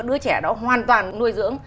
đứa trẻ đó hoàn toàn nuôi dưỡng